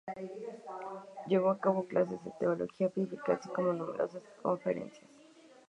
Llevó a cabo clases de Teología Bíblica, así como numerosas conferencias.